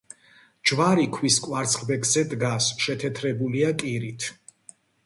ჯვარი ქვის კვარცხლბეკზე დგას, შეთეთრებულია კირით.